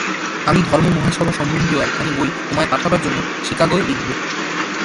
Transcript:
আমি ধর্মমহাসভা-সম্বন্ধীয় একখানি বই তোমায় পাঠাবার জন্য চিকাগোয় লিখব।